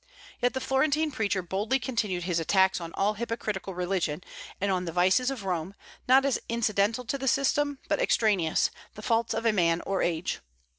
Yet the Florentine preacher boldly continued his attacks on all hypocritical religion, and on the vices of Rome, not as incidental to the system, but extraneous, the faults of a man or age.